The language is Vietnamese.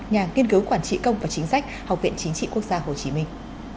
nhà nghiên cứu quản trị công và chính sách học viện chính trị quốc gia hồ chí minh